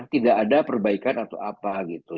tidak ada perbaikan atau apa gitu